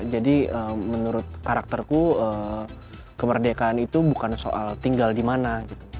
jadi menurut karakterku kemerdekaan itu bukan soal tinggal di mana